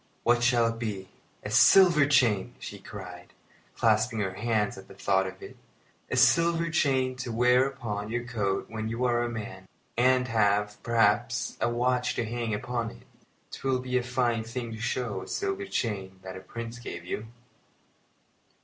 "What shall it be? a silver chain!" she cried, clasping her hands at the thought of it. "A silver chain to wear upon your coat when you are a man, and have, perhaps, a watch to hang upon it! 'Twill be a fine thing to show a silver chain that a Prince gave you!"